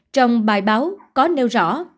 trong bài báo có nêu rõ